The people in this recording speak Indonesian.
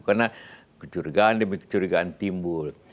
karena kecurigaan demi kecurigaan timbul